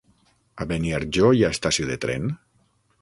A Beniarjó hi ha estació de tren?